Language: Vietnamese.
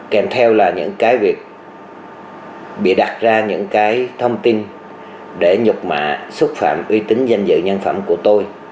kèm theo là những cái việc bịa đặt ra những cái thông tin để nhục mạ xúc phạm uy tín danh dự nhân phẩm của tôi